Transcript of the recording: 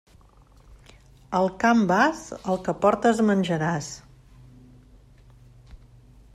Al camp vas, el que portes menjaràs.